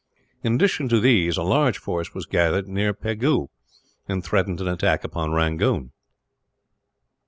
In addition to these, a large force was gathered near Pegu, and threatened an attack upon Rangoon.